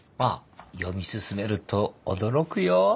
ああ読み進めると驚くよ。